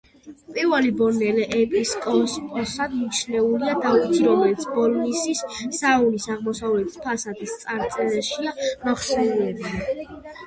პირველ ბოლნელ ეპისკოპოსად მიჩნეულია დავითი, რომელიც ბოლნისის სიონის აღმოსავლეთი ფასადის წარწერაშია მოხსენიებული.